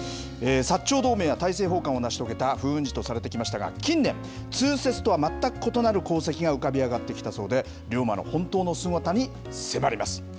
薩長同盟や大政奉還を成し遂げた風雲児とされてきましたが、近年、通説とは全く異なる功績が浮かび上がってきたそうで、龍馬の本当のすごさに迫ります。